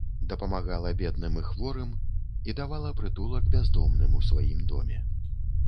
Дапамагала бедным і хворым і давала прытулак бяздомным у сваім доме.